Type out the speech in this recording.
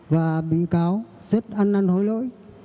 và bị cáo rất ăn ăn hối lỗi